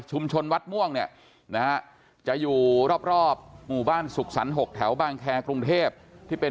วัดม่วงเนี่ยนะฮะจะอยู่รอบหมู่บ้านสุขสรรค๖แถวบางแครกรุงเทพที่เป็น